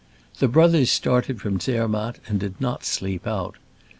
The brothers started from Zermatt, and did not sleep out.